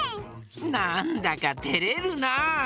なんだかてれるな。